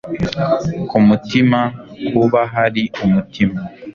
Ku mutima kuba hari umutima